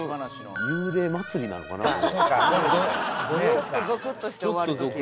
ちょっとゾクッとして終わる時や。